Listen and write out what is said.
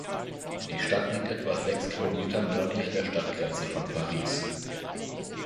Die Stadt liegt etwa sechs Kilometer nördlich der Stadtgrenze von Paris.